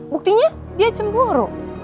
buktinya dia cemburu